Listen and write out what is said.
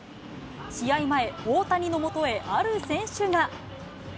試合前、大谷のもとへある選手が。